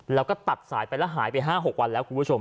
แล้วก็ตัดสายไปแล้วหายไป๕๖วันแล้วคุณผู้ชม